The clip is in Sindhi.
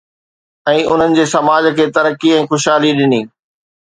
۽ انهن جي سماج کي ترقي ۽ خوشحالي ڏئي